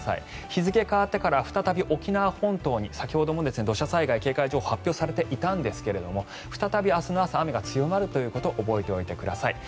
日付が変わってから再び沖縄本島に先ほども土砂災害警戒情報が発表されていたんですが再び明日の朝、雨が強まることを覚えておいてください。